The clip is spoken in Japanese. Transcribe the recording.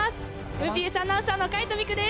ＭＢＳアナウンサーの海渡未来です。